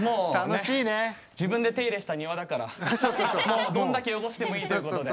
自分で手入れした庭だからもうどんだけ汚してもいいということで。